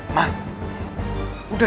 orang ini akan memburuk aura